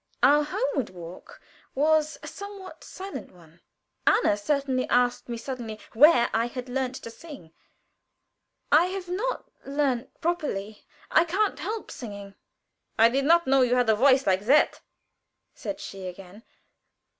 Our homeward walk was a somewhat silent one. Anna certainly asked me suddenly where I had learned to sing. "I have not learned properly. I can't help singing." "I did not know you had a voice like that," said she again.